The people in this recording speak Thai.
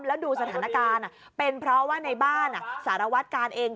แล้วดูสถานการณ์เป็นเพราะว่าในบ้านสารวัตกาลเอง